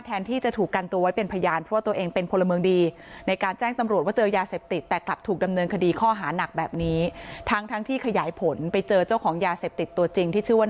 แทนที่จะถูกการตัวไว้เป็นพยานเพราะตัวเองเป็นโภละเมืองดี